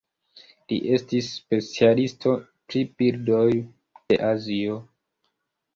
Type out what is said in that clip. Li estis specialisto pri birdoj de Azio.